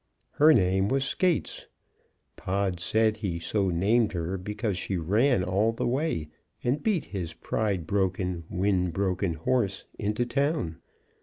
Her name was Skates; Pod said he so named her because she ran all the way and beat his pride broken, wind broken horse into town.